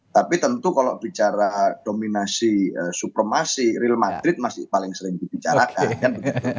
tapi tentu kalau bicara dominasi supremasi real madrid masih paling sering dibicarakan kan begitu